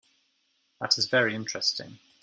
That is very interesting.